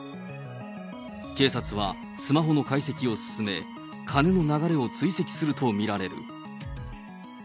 警察はスマホの解析を進め、金の流れを追跡すると見られる。